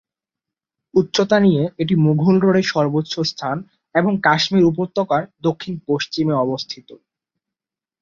উচ্চতা নিয়ে এটি মুঘল রোডের সর্বোচ্চ স্থান এবং কাশ্মীর উপত্যকার দক্ষিণ পশ্চিমে অবস্থিত।